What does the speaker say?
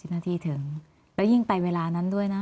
และยิ่งไปเวลานั้นด้วยนะ